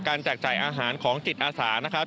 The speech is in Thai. แจกจ่ายอาหารของจิตอาสานะครับ